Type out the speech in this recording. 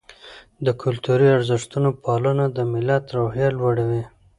د کلتوري ارزښتونو پالنه د ملت روحیه لوړوي.